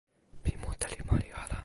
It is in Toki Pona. mi mute li moli ala.